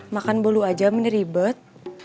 makan bolu aja mene ribet